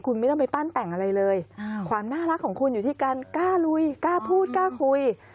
คุณไม่ต้องไปปั้นแต่งอะไรเลยความน่ารักของคุณอยู่ที่การกล้าลุยกล้าพูดกล้าคุย